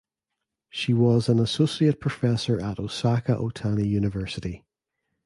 She was an associate professor at Osaka Ohtani University.